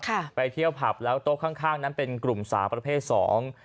ไปเที่ยวผับแล้วโต๊ะข้างข้างนั้นเป็นกลุ่มสาวประเภทสอง